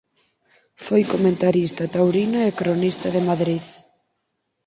Foi comentarista taurino e cronista de Madrid.